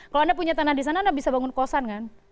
kalau anda punya tanah di sana anda bisa bangun kosan kan